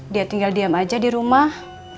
dia tinggal diam aja di rumah